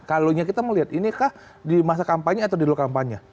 kalaunya kita melihat ini kah di masa kampanye atau di luar kampanye